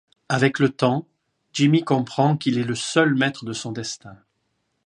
Avec le temps, Jimmy comprend qu'il est le seul maître de son destin.